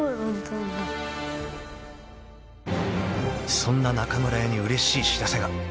［そんな中村屋にうれしい知らせが］